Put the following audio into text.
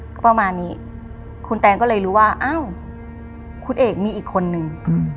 ก็ประมาณนี้คุณแตงก็เลยรู้ว่าอ้าวคุณเอกมีอีกคนนึง